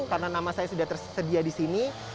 karena nama saya sudah tersedia disini